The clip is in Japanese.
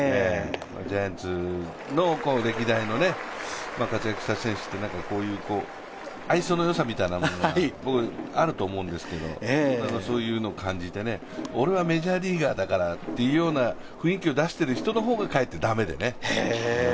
ジャイアンツの歴代の活躍した選手って、こういう愛想のよさみたいなのがあると思うんですが、そういうのを感じて、俺はメジャーリーガーだからという雰囲気を出している人の方がかえって駄目でね。